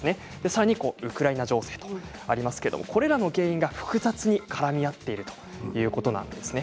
さらにウクライナ情勢とありますけれど、これらの原因が、複雑に絡みあっているということなんです。